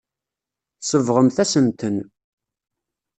Tsebɣemt-asent-ten.